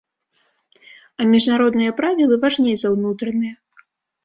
А міжнародныя правілы важней за ўнутраныя.